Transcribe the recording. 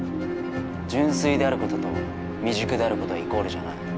純粋であることと未熟であることはイコールじゃない。